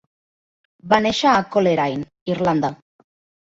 Va néixer a Coleraine, Irlanda.